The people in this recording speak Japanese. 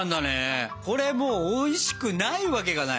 これもうおいしくないわけがない。